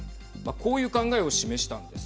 こういう考えを示したんです。